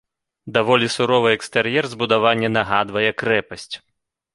Даволі суровы экстэр'ер збудавання нагадвае крэпасць.